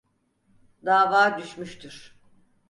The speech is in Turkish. Dava düşmüştür.